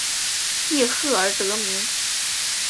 叶赫而得名。